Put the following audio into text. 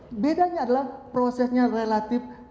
berbedanya adalah prosesnya relatif